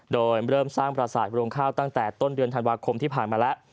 โดยเริ่มสร้างประสาทโรงข้าวตั้งแต่ต้นเดือนธันวาคมที่ผ่านมาแล้ว